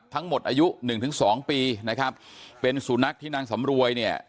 อายุหนึ่งถึงสองปีนะครับเป็นสุนัขที่นางสำรวยเนี่ย